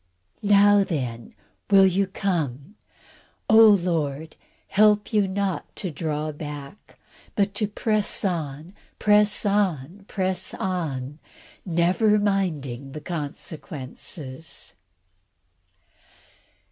Now then, will you come? Oh! the Lord help you not to draw back, but to press on, press on, press on, never minding the consequences.